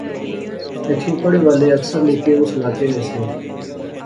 ایتھیں پڑھے والے اکثر نکے اس علاقے نے سے